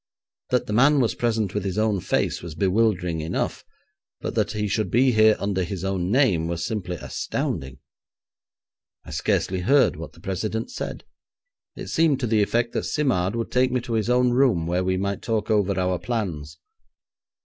That the man was present with his own face was bewildering enough, but that he should be here under his own name was simply astounding. I scarcely heard what the president said. It seemed to the effect that Simard would take me to his own room, where we might talk over our plans.